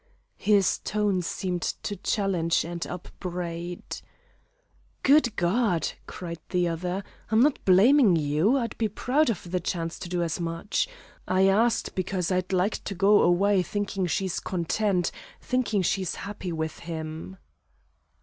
His tone seemed to challenge and upbraid. "Good God!" cried the other, "I'm not blaming you! I'd be proud of the chance to do as much. I asked because I'd like to go away thinking she's content, thinking she's happy with him."